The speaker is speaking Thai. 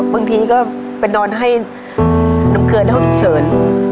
บางทีก็ไปนอนให้น้ำเกลือได้เขาเชิญ